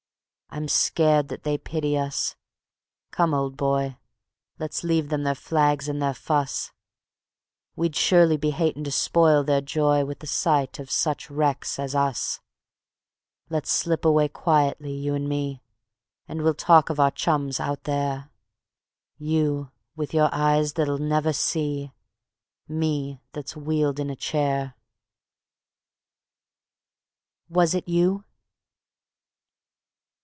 I'm scared that they pity us. Come, old boy, Let's leave them their flags and their fuss. We'd surely be hatin' to spoil their joy With the sight of such wrecks as us. Let's slip away quietly, you and me, And we'll talk of our chums out there: You with your eyes that'll never see, Me that's wheeled in a chair. Was It You?